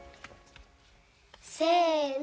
せの！